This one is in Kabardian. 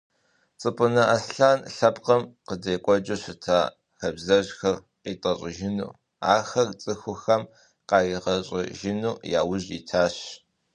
Цӏыпӏынэ Аслъэн лъэпкъым къыдекӏуэкӏыу щыта хабзэжьхэр къитӏэщӏыжыну, ахэр цӏыхухэм къаригъэщӏэжыну яужь итащ.